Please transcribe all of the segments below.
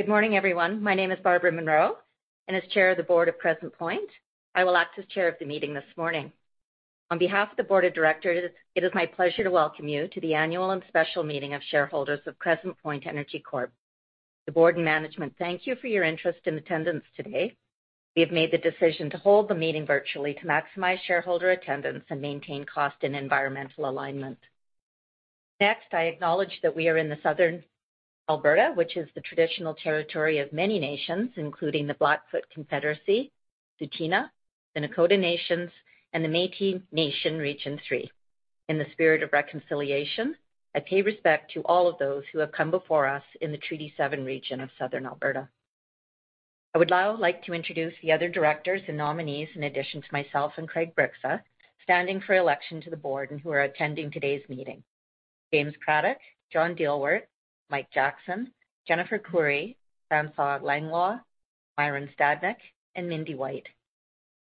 Good morning, everyone. My name is Barbara Munroe, and as Chair of the Board of Crescent Point, I will act as Chair of the meeting this morning. On behalf of the Board of Directors, it is my pleasure to welcome you to the annual and special meeting of shareholders of Crescent Point Energy Corp. The board and management thank you for your interest and attendance today. We have made the decision to hold the meeting virtually to maximize shareholder attendance and maintain cost and environmental alignment. Next, I acknowledge that we are in the Southern Alberta, which is the traditional territory of many nations, including the Blackfoot Confederacy, Tsuut'ina, the Nakoda Nations, and the Métis Nation, Region III. In the spirit of reconciliation, I pay respect to all of those who have come before us in the Treaty Seven Region of Southern Alberta. I would now like to introduce the other directors and nominees in addition to myself and Craig Bryksa, standing for election to the board and who are attending today's meeting. James Craddock, John Dielwart, Mike Jackson, Jennifer Koury, François Langlois, Myron Stadnyk, and Mindy Wight.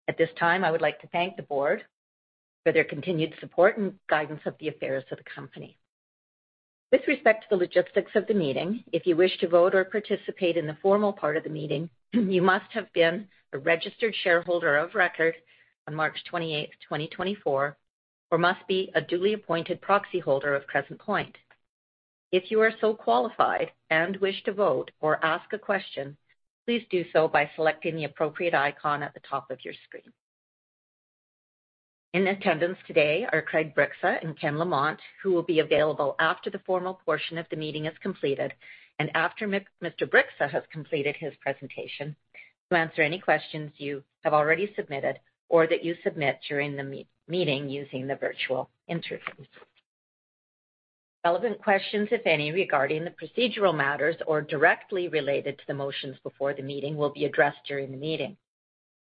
At this time, I would like to thank the board for their continued support and guidance of the affairs of the company. With respect to the logistics of the meeting, if you wish to vote or participate in the formal part of the meeting, you must have been a registered shareholder of record on March 28th, 2024, or must be a duly appointed proxy holder of Crescent Point. If you are so qualified and wish to vote or ask a question, please do so by selecting the appropriate icon at the top of your screen. In attendance today are Craig Bryksa and Ken Lamont, who will be available after the formal portion of the meeting is completed, and after Mr. Bryksa has completed his presentation, to answer any questions you have already submitted or that you submit during the meeting using the virtual interface. Relevant questions, if any, regarding the procedural matters or directly related to the motions before the meeting will be addressed during the meeting.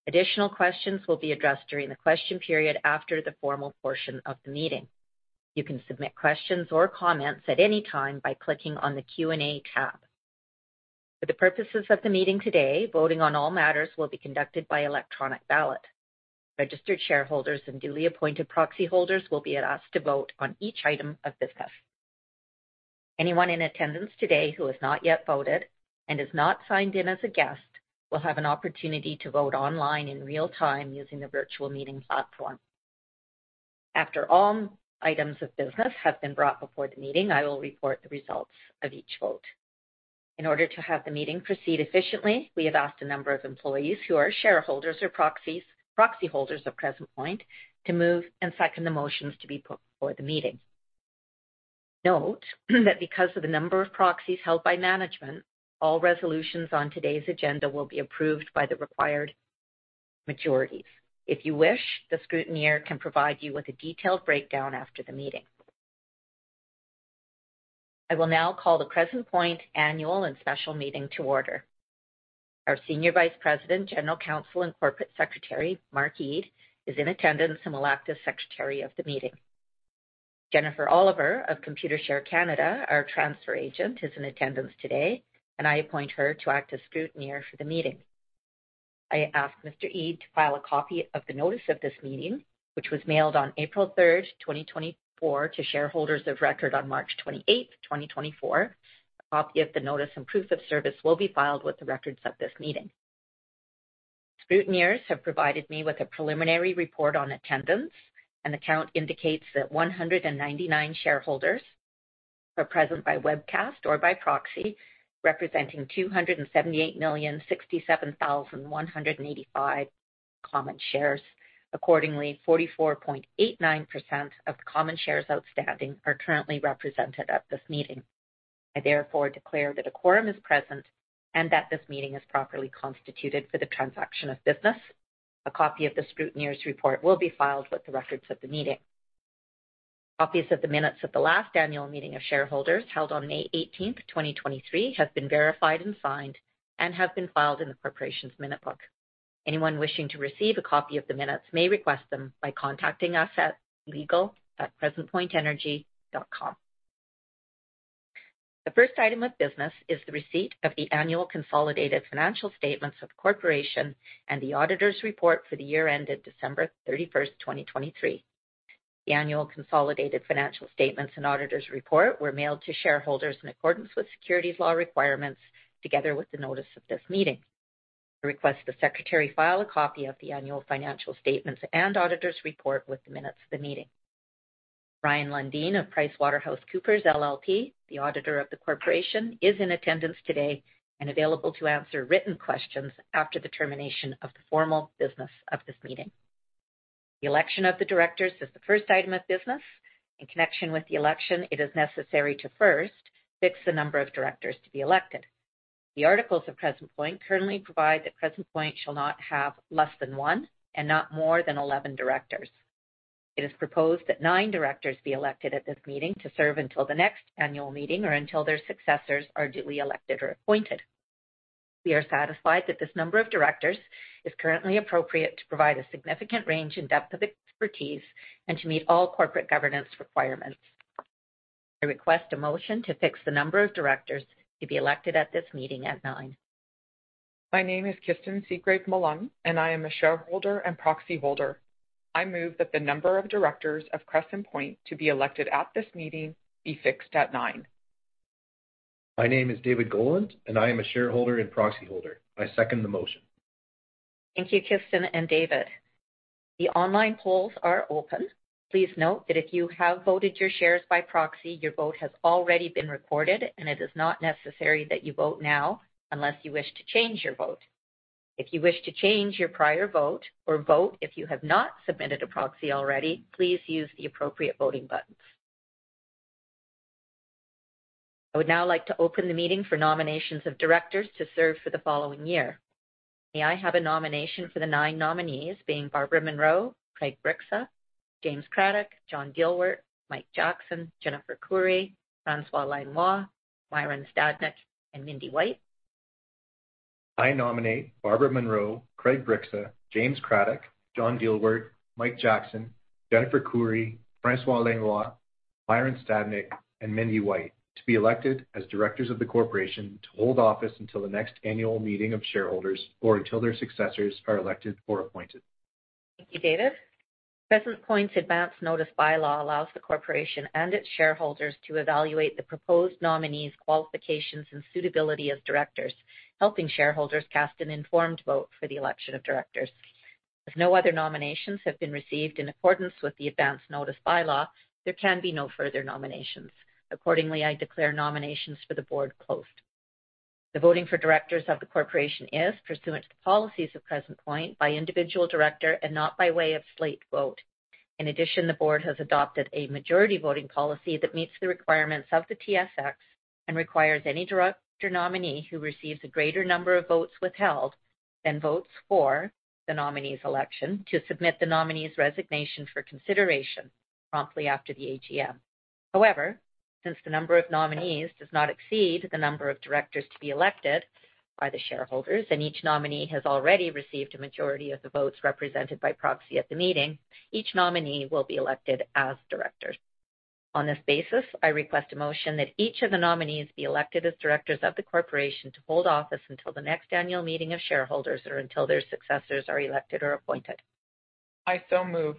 Additional questions will be addressed during the question period after the formal portion of the meeting. You can submit questions or comments at any time by clicking on the Q&A tab. For the purposes of the meeting today, voting on all matters will be conducted by electronic ballot. Registered shareholders and duly appointed proxy holders will be asked to vote on each item of business. Anyone in attendance today who has not yet voted and is not signed in as a guest, will have an opportunity to vote online in real time using the virtual meeting platform. After all items of business have been brought before the meeting, I will report the results of each vote. In order to have the meeting proceed efficiently, we have asked a number of employees who are shareholders or proxies, proxy holders of Crescent Point to move and second the motions to be put before the meeting. Note, that because of the number of proxies held by management, all resolutions on today's agenda will be approved by the required majority. If you wish, the scrutineer can provide you with a detailed breakdown after the meeting. I will now call the Crescent Point Annual and Special Meeting to order. Our Senior Vice President, General Counsel, and Corporate Secretary, Mark Eade, is in attendance and will act as Secretary of the meeting. Jennifer Oliver of Computershare Canada, our transfer agent, is in attendance today, and I appoint her to act as scrutineer for the meeting. I ask Mr. Eade to file a copy of the notice of this meeting, which was mailed on April 3rd, 2024, to shareholders of record on March 28th, 2024. A copy of the notice and proof of service will be filed with the records of this meeting. Scrutineers have provided me with a preliminary report on attendance, and the count indicates that 199 shareholders are present by webcast or by proxy, representing 278,067,185 common shares. Accordingly, 44.89% of the common shares outstanding are currently represented at this meeting. I therefore declare that a quorum is present and that this meeting is properly constituted for the transaction of business. A copy of the scrutineer's report will be filed with the records of the meeting. Copies of the minutes of the last annual meeting of shareholders, held on May 18th, 2023, have been verified and signed and have been filed in the corporation's minute book. Anyone wishing to receive a copy of the minutes may request them by contacting us at legal@crescentpointenergy.com. The first item of business is the receipt of the annual consolidated financial statements of the corporation and the auditor's report for the year ended December 31st, 2023. The annual consolidated financial statements and auditor's report were mailed to shareholders in accordance with securities law requirements, together with the notice of this meeting. I request the secretary file a copy of the annual financial statements and auditor's report with the minutes of the meeting. Brian Lundin of PricewaterhouseCoopers LLP, the auditor of the corporation, is in attendance today and available to answer written questions after the termination of the formal business of this meeting. The election of the directors is the first item of business. In connection with the election, it is necessary to first fix the number of directors to be elected. The articles of Crescent Point currently provide that Crescent Point shall not have less than one and not more than 11 directors. It is proposed that nine directors be elected at this meeting to serve until the next annual meeting or until their successors are duly elected or appointed. We are satisfied that this number of directors is currently appropriate to provide a significant range and depth of expertise and to meet all corporate governance requirements. I request a motion to fix the number of directors to be elected at this meeting at nine. My name is Kirsten Seagrave-Mullen, and I am a shareholder and proxy holder. I move that the number of directors of Crescent Point to be elected at this meeting be fixed at nine. My name is David Gowland, and I am a shareholder and proxy holder. I second the motion. Thank you, Kirsten and David. The online polls are open. Please note that if you have voted your shares by proxy, your vote has already been recorded, and it is not necessary that you vote now unless you wish to change your vote. If you wish to change your prior vote or vote if you have not submitted a proxy already, please use the appropriate voting buttons. I would now like to open the meeting for nominations of directors to serve for the following year. May I have a nomination for the nine nominees, being Barbara Munroe, Craig Bryksa, James Craddock, John Dielwart, Mike Jackson, Jennifer Koury, François Langlois, Myron Stadnyk, and Mindy Wight? I nominate Barbara Munroe, Craig Bryksa, James Craddock, John Dielwart, Mike Jackson, Jennifer Koury, François Langlois, Myron Stadnyk, and Mindy Wight to be elected as directors of the corporation to hold office until the next annual meeting of shareholders or until their successors are elected or appointed. Thank you, David. Crescent Point's advance notice bylaw allows the corporation and its shareholders to evaluate the proposed nominees' qualifications and suitability as directors, helping shareholders cast an informed vote for the election of directors. As no other nominations have been received in accordance with the advance notice bylaw, there can be no further nominations. Accordingly, I declare nominations for the board closed. The voting for directors of the corporation is pursuant to the policies of Crescent Point by individual director and not by way of slate vote. In addition, the board has adopted a majority voting policy that meets the requirements of the TSX and requires any director nominee who receives a greater number of votes withheld than votes for the nominee's election to submit the nominee's resignation for consideration promptly after the AGM. However, since the number of nominees does not exceed the number of directors to be elected by the shareholders and each nominee has already received a majority of the votes represented by proxy at the meeting, each nominee will be elected as directors. On this basis, I request a motion that each of the nominees be elected as directors of the corporation to hold office until the next annual meeting of shareholders or until their successors are elected or appointed. I so move.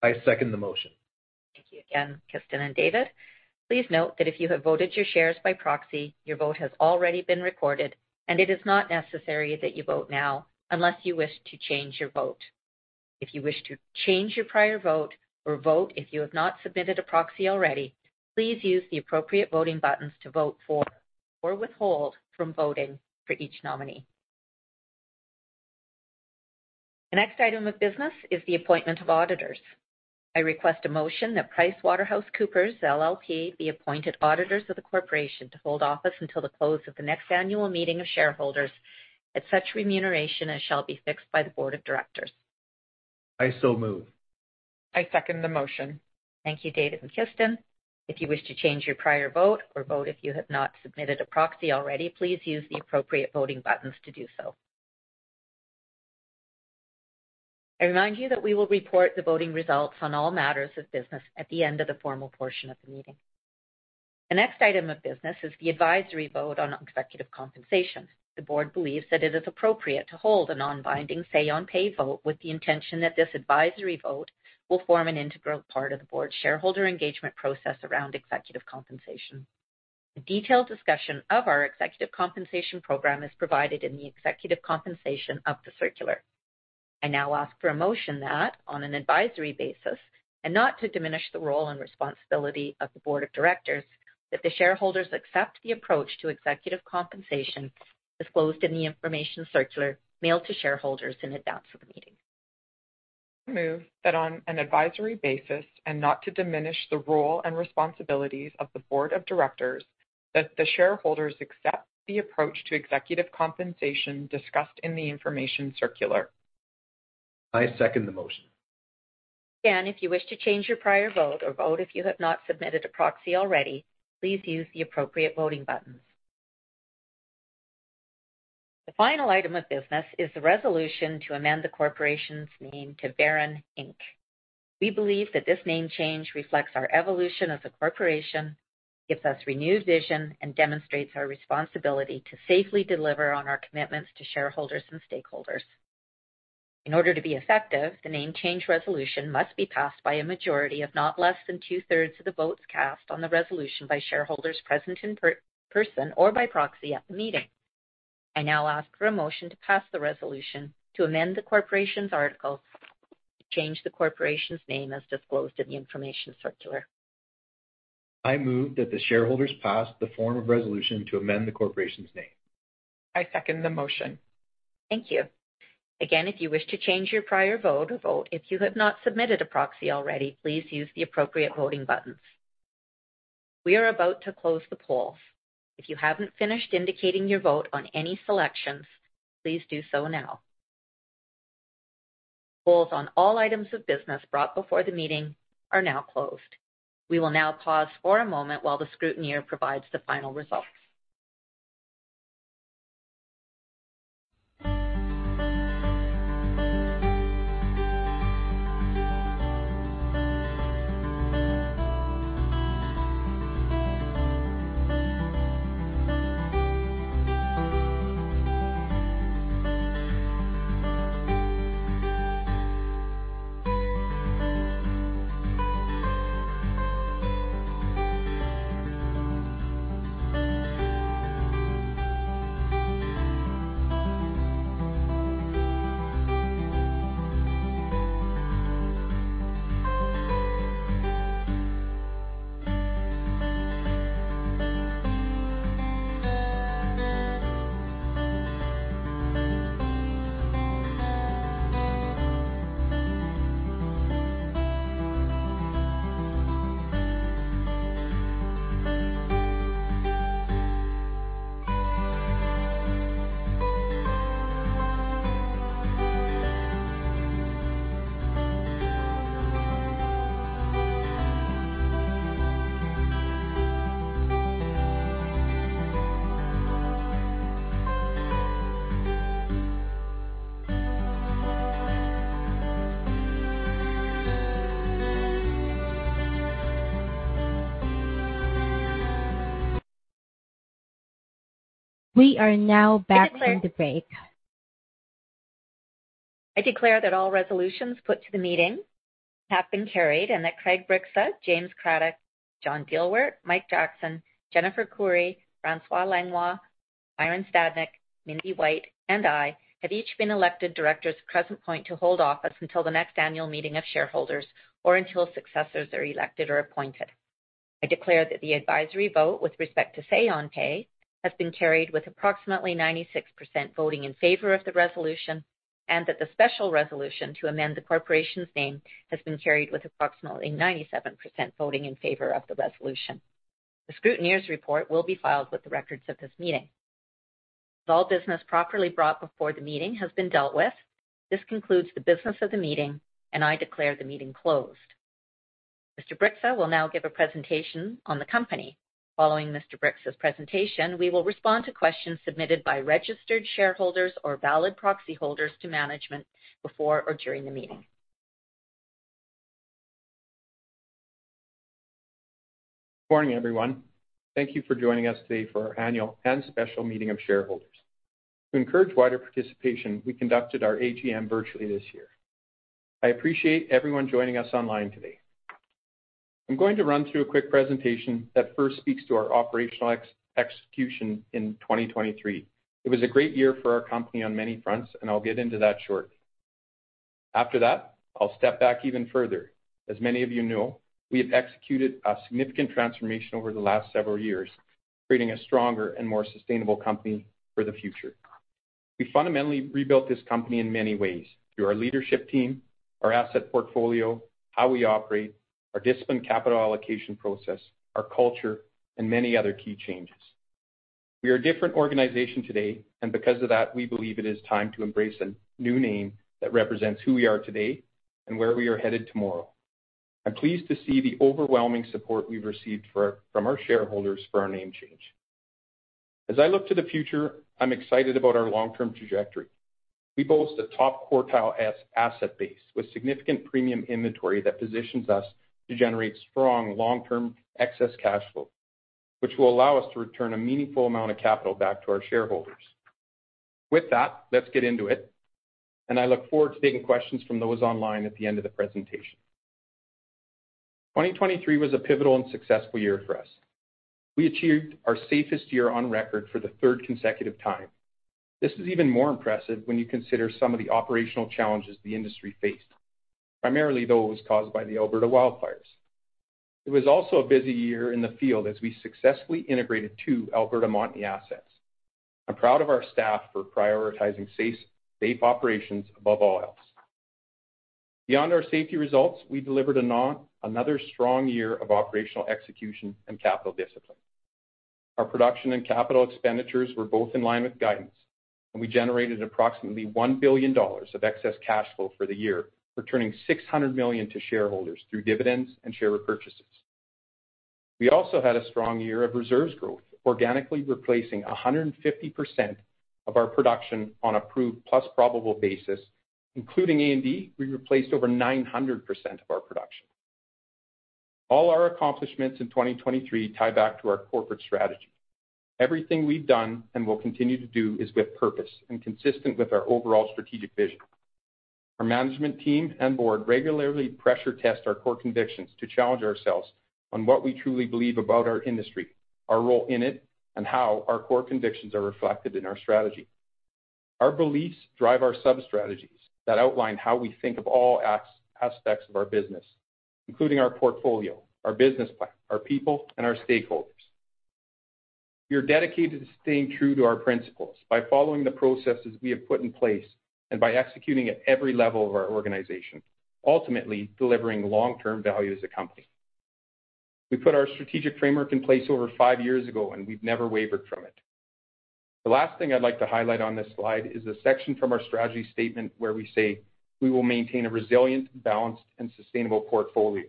I second the motion. Thank you again, Kirsten and David. Please note that if you have voted your shares by proxy, your vote has already been recorded, and it is not necessary that you vote now unless you wish to change your vote. If you wish to change your prior vote or vote, if you have not submitted a proxy already, please use the appropriate voting buttons to vote for or withhold from voting for each nominee. The next item of business is the appointment of auditors. I request a motion that PricewaterhouseCoopers LLP be appointed auditors of the corporation to hold office until the close of the next annual meeting of shareholders at such remuneration as shall be fixed by the board of directors. I so move. I second the motion. Thank you, David and Kirsten. If you wish to change your prior vote or vote, if you have not submitted a proxy already, please use the appropriate voting buttons to do so. I remind you that we will report the voting results on all matters of business at the end of the formal portion of the meeting. The next item of business is the advisory vote on executive compensation. The board believes that it is appropriate to hold a non-binding say on pay vote with the intention that this advisory vote will form an integral part of the board's shareholder engagement process around executive compensation. A detailed discussion of our executive compensation program is provided in the executive compensation of the circular. I now ask for a motion that, on an advisory basis, and not to diminish the role and responsibility of the board of directors, that the shareholders accept the approach to executive compensation as disclosed in the information circular mailed to shareholders in advance of the meeting. Move that on an advisory basis and not to diminish the role and responsibilities of the board of directors, that the shareholders accept the approach to executive compensation discussed in the information circular. I second the motion. Again, if you wish to change your prior vote or vote, if you have not submitted a proxy already, please use the appropriate voting buttons. The final item of business is the resolution to amend the corporation's name to Veren Inc. We believe that this name change reflects our evolution as a corporation, gives us renewed vision, and demonstrates our responsibility to safely deliver on our commitments to shareholders and stakeholders. In order to be effective, the name change resolution must be passed by a majority of not less than 2/3s of the votes cast on the resolution by shareholders present in person or by proxy at the meeting. I now ask for a motion to pass the resolution to amend the corporation's articles to change the corporation's name as disclosed in the information circular. I move that the shareholders pass the form of resolution to amend the corporation's name. I second the motion. Thank you. Again, if you wish to change your prior vote or vote, if you have not submitted a proxy already, please use the appropriate voting buttons. We are about to close the polls. If you haven't finished indicating your vote on any selections, please do so now. Polls on all items of business brought before the meeting are now closed. We will now pause for a moment while the scrutineer provides the final results. We are now back from the break. I declare that all resolutions put to the meeting have been carried, and that Craig Bryksa, James Craddock, John Dielwart, Mike Jackson, Jennifer Koury, François Langlois, Myron Stadnyk, Mindy Wight, and I have each been elected directors of Crescent Point to hold office until the next annual meeting of shareholders or until successors are elected or appointed. I declare that the advisory vote with respect to say on pay has been carried with approximately 96% voting in favor of the resolution, and that the special resolution to amend the corporation's name has been carried with approximately 97% voting in favor of the resolution. The scrutineer's report will be filed with the records of this meeting. As all business properly brought before the meeting has been dealt with, this concludes the business of the meeting, and I declare the meeting closed. Mr. Bryksa will now give a presentation on the company. Following Mr. Bryksa's presentation, we will respond to questions submitted by registered shareholders or valid proxy holders to management before or during the meeting. Good morning, everyone. Thank you for joining us today for our Annual and Special Meeting of Shareholders. To encourage wider participation, we conducted our AGM virtually this year. I appreciate everyone joining us online today. I'm going to run through a quick presentation that first speaks to our operational execution in 2023. It was a great year for our company on many fronts, and I'll get into that shortly. After that, I'll step back even further. As many of you know, we have executed a significant transformation over the last several years, creating a stronger and more sustainable company for the future. We fundamentally rebuilt this company in many ways, through our leadership team, our asset portfolio, how we operate, our disciplined capital allocation process, our culture, and many other key changes. We are a different organization today, and because of that, we believe it is time to embrace a new name that represents who we are today and where we are headed tomorrow. I'm pleased to see the overwhelming support we've received from our shareholders for our name change. As I look to the future, I'm excited about our long-term trajectory. We boast a top-quartile asset base with significant premium inventory that positions us to generate strong, long-term excess cash flow, which will allow us to return a meaningful amount of capital back to our shareholders. With that, let's get into it, and I look forward to taking questions from those online at the end of the presentation. 2023 was a pivotal and successful year for us. We achieved our safest year on record for the third consecutive time. This is even more impressive when you consider some of the operational challenges the industry faced, primarily those caused by the Alberta wildfires. It was also a busy year in the field as we successfully integrated two Alberta Montney assets. I'm proud of our staff for prioritizing safe, safe operations above all else. Beyond our safety results, we delivered another strong year of operational execution and capital discipline. Our production and capital expenditures were both in line with guidance, and we generated approximately 1 billion dollars of excess cash flow for the year, returning 600 million to shareholders through dividends and share repurchases. We also had a strong year of reserves growth, organically replacing 150% of our production on a proved plus probable basis. Including A&D, we replaced over 900% of our production. All our accomplishments in 2023 tie back to our corporate strategy. Everything we've done and will continue to do is with purpose and consistent with our overall strategic vision. Our management team and board regularly pressure test our core convictions to challenge ourselves on what we truly believe about our industry, our role in it, and how our core convictions are reflected in our strategy. Our beliefs drive our sub-strategies that outline how we think of all aspects of our business, including our portfolio, our business plan, our people, and our stakeholders. We are dedicated to staying true to our principles by following the processes we have put in place and by executing at every level of our organization, ultimately delivering long-term value as a company. We put our strategic framework in place over five years ago, and we've never wavered from it. The last thing I'd like to highlight on this slide is a section from our strategy statement where we say: We will maintain a resilient, balanced, and sustainable portfolio.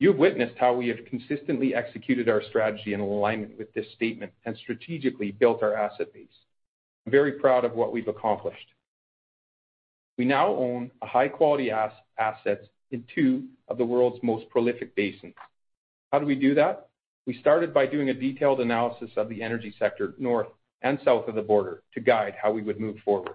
You've witnessed how we have consistently executed our strategy in alignment with this statement and strategically built our asset base. I'm very proud of what we've accomplished. We now own a high-quality assets in two of the world's most prolific basins. How do we do that? We started by doing a detailed analysis of the energy sector, north and south of the border, to guide how we would move forward.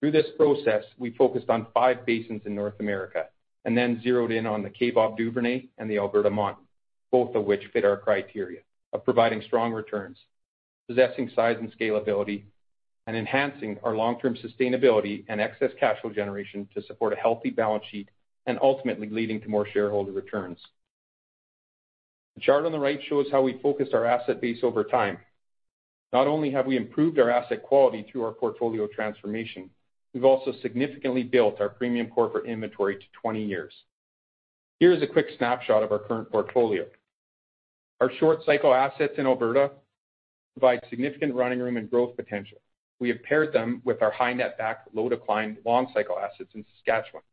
Through this process, we focused on five basins in North America and then zeroed in on the Kaybob Duvernay and the Alberta Montney, both of which fit our criteria of providing strong returns, possessing size and scalability, and enhancing our long-term sustainability and excess cash flow generation to support a healthy balance sheet, and ultimately leading to more shareholder returns. The chart on the right shows how we focused our asset base over time. Not only have we improved our asset quality through our portfolio transformation, we've also significantly built our premium corporate inventory to 20 years. Here is a quick snapshot of our current portfolio. Our short-cycle assets in Alberta provide significant running room and growth potential. We have paired them with our high net back, low decline, long-cycle assets in Saskatchewan.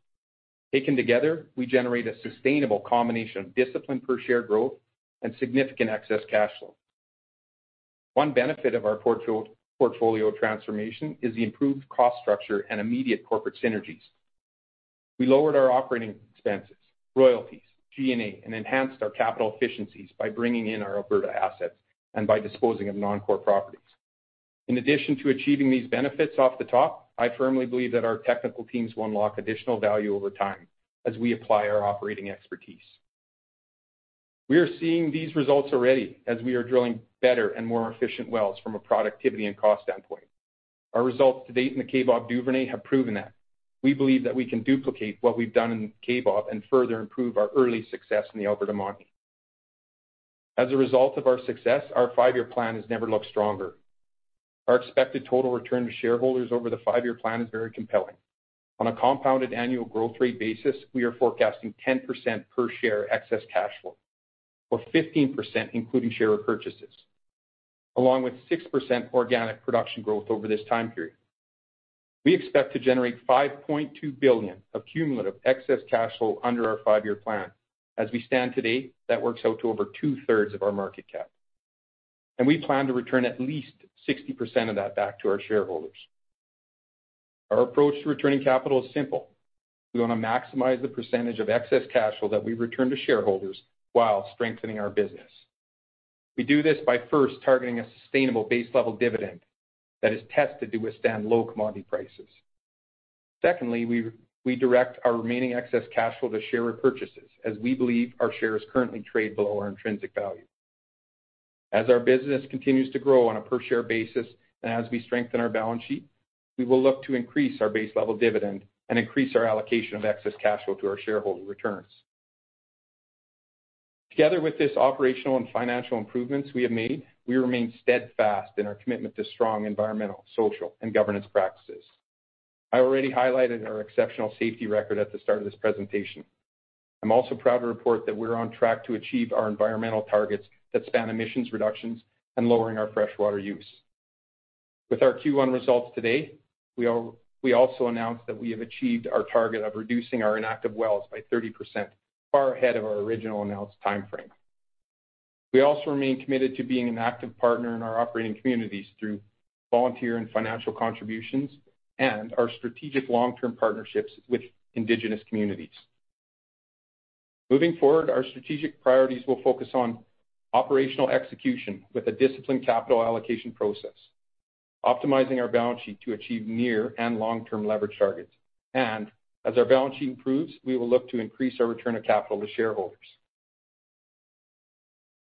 Taken together, we generate a sustainable combination of disciplined per share growth and significant excess cash flow. One benefit of our portfolio, portfolio transformation is the improved cost structure and immediate corporate synergies. We lowered our operating expenses, royalties, G&A, and enhanced our capital efficiencies by bringing in our Alberta assets and by disposing of non-core properties. In addition to achieving these benefits off the top, I firmly believe that our technical teams will unlock additional value over time as we apply our operating expertise. We are seeing these results already as we are drilling better and more efficient wells from a productivity and cost standpoint. Our results to date in the Kaybob Duvernay have proven that. We believe that we can duplicate what we've done in Kaybob and further improve our early success in the Alberta Montney. As a result of our success, our five-year plan has never looked stronger. Our expected total return to shareholders over the five-year plan is very compelling. On a compounded annual growth rate basis, we are forecasting 10% per share excess cash flow, or 15%, including share repurchases, along with 6% organic production growth over this time period. We expect to generate 5.2 billion of cumulative excess cash flow under our five-year plan. As we stand today, that works out to over 2/3s of our market cap, and we plan to return at least 60% of that back to our shareholders. Our approach to returning capital is simple. We want to maximize the percentage of excess cash flow that we return to shareholders while strengthening our business. We do this by first targeting a sustainable base-level dividend that is tested to withstand low commodity prices. Secondly, we direct our remaining excess cash flow to share repurchases, as we believe our shares currently trade below our intrinsic value. As our business continues to grow on a per-share basis, and as we strengthen our balance sheet, we will look to increase our base-level dividend and increase our allocation of excess cash flow to our shareholder returns. Together with this operational and financial improvements we have made, we remain steadfast in our commitment to strong environmental, social, and governance practices. I already highlighted our exceptional safety record at the start of this presentation. I'm also proud to report that we're on track to achieve our environmental targets that span emissions reductions and lowering our freshwater use. With our Q1 results today, we also announced that we have achieved our target of reducing our inactive wells by 30%, far ahead of our original announced time frame. We also remain committed to being an active partner in our operating communities through volunteer and financial contributions, and our strategic long-term partnerships with indigenous communities. Moving forward, our strategic priorities will focus on operational execution with a disciplined capital allocation process, optimizing our balance sheet to achieve near and long-term leverage targets. As our balance sheet improves, we will look to increase our return of capital to shareholders.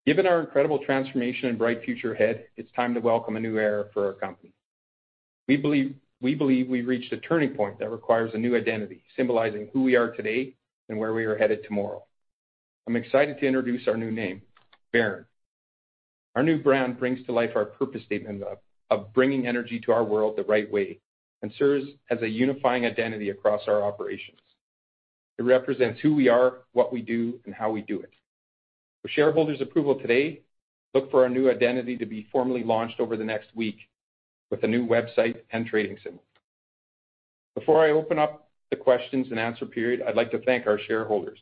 Given our incredible transformation and bright future ahead, it's time to welcome a new era for our company. We believe, we believe we've reached a turning point that requires a new identity, symbolizing who we are today and where we are headed tomorrow. I'm excited to introduce our new name, Veren. Our new brand brings to life our purpose statement of bringing energy to our world the right way and serves as a unifying identity across our operations. It represents who we are, what we do, and how we do it. With shareholders' approval today, look for our new identity to be formally launched over the next week with a new website and trading symbol. Before I open up the questions and answer period, I'd like to thank our shareholders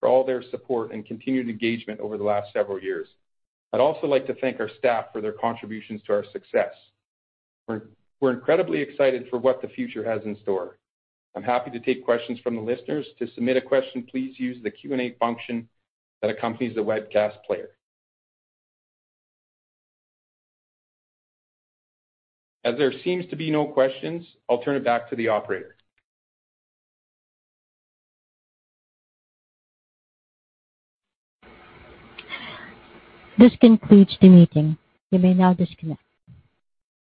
for all their support and continued engagement over the last several years. I'd also like to thank our staff for their contributions to our success. We're incredibly excited for what the future has in store. I'm happy to take questions from the listeners. To submit a question, please use the Q&A function that accompanies the webcast player. As there seems to be no questions, I'll turn it back to the operator. This concludes the meeting. You may now disconnect.